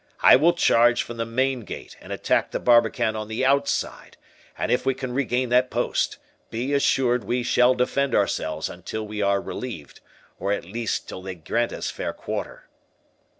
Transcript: I will charge from the main gate, and attack the barbican on the outside; and if we can regain that post, be assured we shall defend ourselves until we are relieved, or at least till they grant us fair quarter."